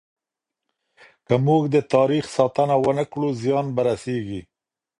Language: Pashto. که موږ د تاريخ ساتنه ونه کړو، زيان به رسيږي.